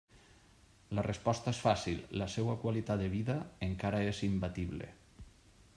La resposta és fàcil, la seua qualitat de vida encara és imbatible.